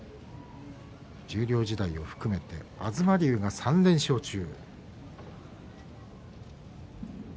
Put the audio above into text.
十両時代を含めて東龍が３連勝中。